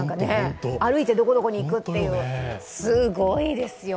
歩いてどこどこに行くっていう、すごいですよ。